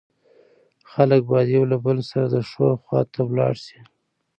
خلک بايد يو له له سره د ښو خوا ته ولاړ سي